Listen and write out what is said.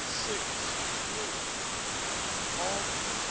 Fruit. Almonds.